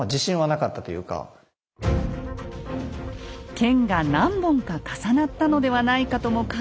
剣が何本か重なったのではないかとも考えた村さん。